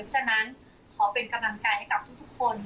ฉะนั้นขอเป็นกำลังใจให้กับทุกคน